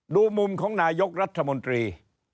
ดูมุมของนายกรัฐมนตรี